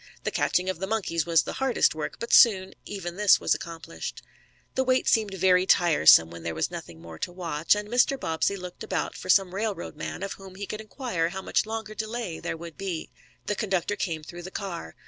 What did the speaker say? The catching of the monkeys was the hardest work, but soon even this was accomplished. The wait seemed very tiresome when there was nothing more to watch, and Mr. Bobbsey looked about for some railroad man of whom he could inquire how much longer delay there would be. The conductor came through the car.